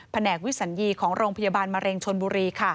แหนกวิสัญญีของโรงพยาบาลมะเร็งชนบุรี